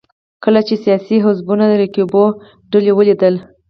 کله چې سیاسي حزبونو رقیبو ډلو ولیدل